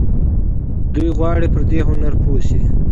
دوی غواړي پر دې هنر پوه شي.